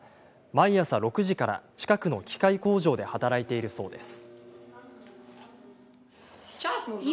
毎朝６時から近くの機械工場で働いているそうです。